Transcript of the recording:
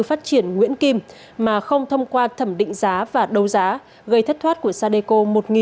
phát triển nguyễn kim mà không thông qua thẩm định giá và đấu giá gây thất thoát của sadeco